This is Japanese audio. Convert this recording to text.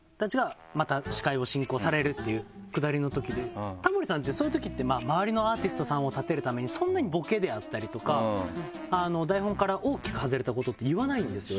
っていうくだりのときでタモリさんってそういうときって周りのアーティストさんを立てるためにそんなにボケであったりとか台本から大きく外れたことって言わないんですよ